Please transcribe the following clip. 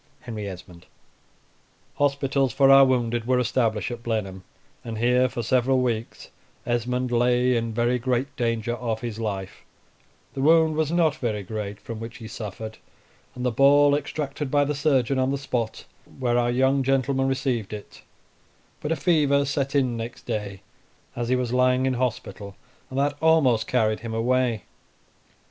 H. E. Hospitals for our wounded were established at Blenheim, and here for several weeks Esmond lay in very great danger of his life; the wound was not very great from which he suffered, and the ball extracted by the surgeon on the spot where our young gentleman received it; but a fever set in next day, as he was lying in hospital, and that almost carried him away.